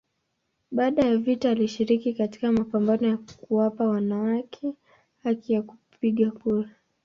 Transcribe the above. Baada ya vita alishiriki katika mapambano ya kuwapa wanawake haki ya kupiga kura.